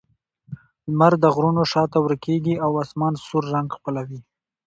لمر د غرونو شا ته ورکېږي او آسمان سور رنګ خپلوي.